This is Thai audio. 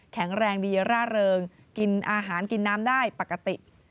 แข็งแรงดีร่าเริงกินอาหารกินน้ำได้ปกติ